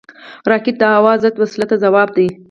راکټ د هوا ضد وسلو ته ځواب دی